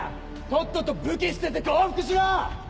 とっとと武器捨てて降伏しろ！